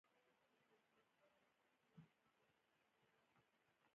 هغه په هندوستان کې تر کلونو اسارت وروسته مړ شو.